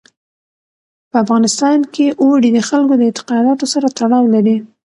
په افغانستان کې اوړي د خلکو د اعتقاداتو سره تړاو لري.